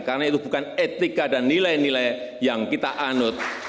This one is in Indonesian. karena itu bukan etika dan nilai nilai yang kita anut